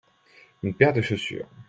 une paire de chaussures.